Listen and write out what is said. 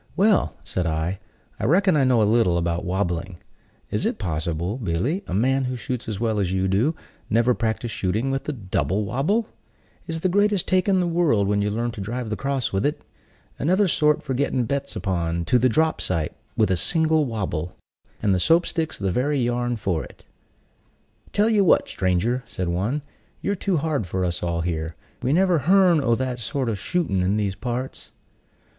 "Well," said I, "I reckon I know a little about wabbling. Is it possible, Billy, a man who shoots as well as you do, never practiced shooting with the double wabble? It's the greatest take in the world when you learn to drive the cross with it. Another sort for getting bets upon, to the drop sight, with a single wabble! And the Soap stick's the very yarn for it." "Tell you what, stranger," said one, "you're too hard for us all here. We never hearn o' that sort o' shoot'n' in these parts."